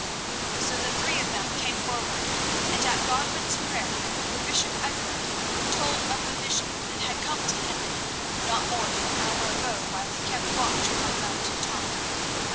So the three of them came forward and at Godwin's prayer the bishop Egbert told of the vision that had come to him not more than an hour ago while he kept watch upon the mountain top.